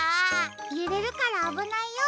ゆれるからあぶないよ。